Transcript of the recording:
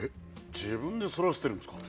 自分で育ててるんですか。